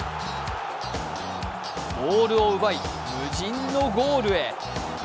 ボールを奪い、無人のゴールへ。